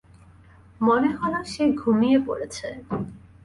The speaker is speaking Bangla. মনে হলো সে ঘুমিয়ে পড়েছে।